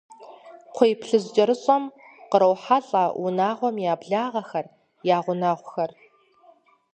КхъуейплъыжькӀэрыщӀэм кърохьэлӀэ унагъуэм я благъэхэр, я гъунэгъухэр.